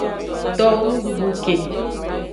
Towo nududu ke.